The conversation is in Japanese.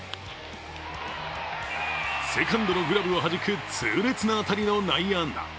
セカンドのグラブをはじく痛烈な当たりの内野安打。